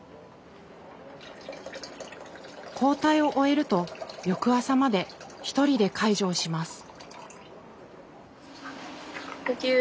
交代を終えると翌朝まで１人で介助をします。